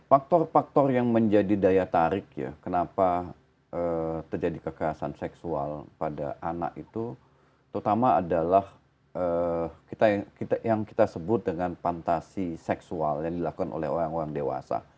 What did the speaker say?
faktor faktor yang menjadi daya tarik ya kenapa terjadi kekerasan seksual pada anak itu terutama adalah yang kita sebut dengan fantasi seksual yang dilakukan oleh orang orang dewasa